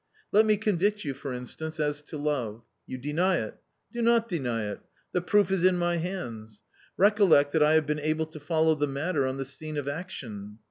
" Let me convict _you, for instance, as to love ; you deny it. Do not deny it ; the proof is in my hands. Recollect that I have been able to follow the matter on the scene of action.